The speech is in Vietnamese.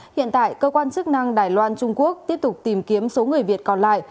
hiện tại cơ quan chức năng đài loan trung quốc tiếp tục tìm kiếm số người việt còn lại